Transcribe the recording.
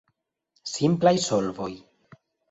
Simplaj solvoj!